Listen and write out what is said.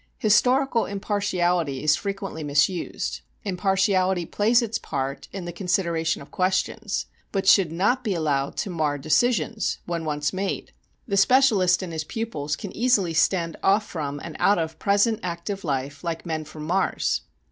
Historical impartiality is frequently misused: impartiality plays its part in the consideration of questions, but should not be allowed to mar decisions when once made. The specialist and his pupils can easily stand off from and out of present, active life like men from Mars.